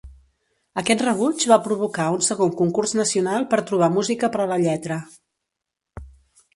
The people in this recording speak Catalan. Aquest rebuig va provocar un segon concurs nacional per trobar música per a la lletra.